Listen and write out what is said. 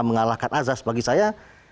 mengalahkan azas bagi saya